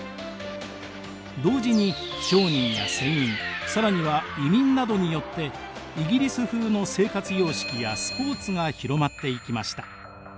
同時に商人や船員更には移民などによってイギリス風の生活様式やスポーツが広まっていきました。